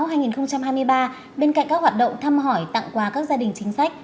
bên cạnh các hoạt động thăm hỏi tặng quà các gia đình chính sách